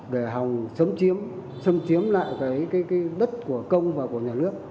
để hòng sống chiếm sống chiếm lại cái đất của công và của nhà nước